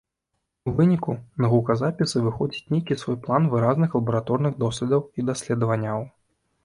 У выніку на гуказапісы выходзіць нейкі свой план выразных лабараторных доследаў і даследаванняў.